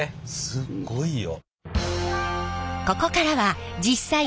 すっごいよ。